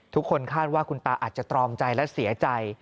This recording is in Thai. ทุกคนคาดว่าคุณตาอาจจะตรอมใจและเสียใจ